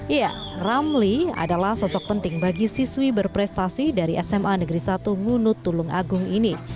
iya ramli adalah sosok penting bagi siswi berprestasi dari sma negeri satu ngunut tulung agung ini